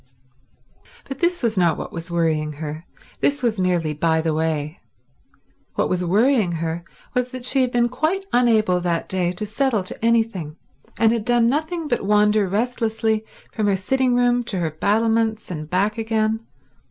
But this was not what was worrying her; this was merely by the way. What was worrying her was that she had been quite unable that day to settle to anything, and had done nothing but wander restlessly from her sitting room to her battlements and back again.